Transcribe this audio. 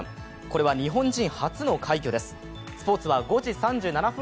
これは日本人初の快挙です。